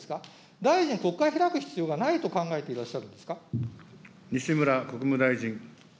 大臣、国会開く必要がないと考えていらっしゃるんですか。